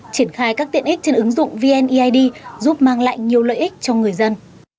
triển khai các tiện ích trên ứng dụng vneid giúp mang lại nhiều lợi ích cho người dân